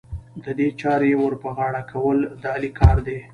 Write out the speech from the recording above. د دې چارې ور پر غاړه کول، د علي کار دی.